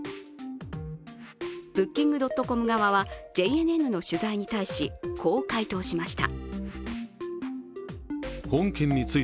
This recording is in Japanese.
Ｂｏｏｋｉｎｇ．ｃｏｍ側はＪＮＮの取材に対し、こう回答しました。